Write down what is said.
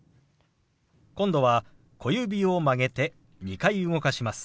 今度は小指を曲げて２回動かします。